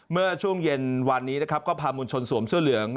เมื่อช่วงเย็นวันนี้นะครับก็พามวลชนสวมเสื้อเหลือง